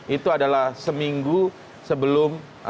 itu adalah seminggu sebelum